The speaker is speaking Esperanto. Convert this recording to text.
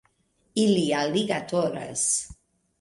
Ili aligatoras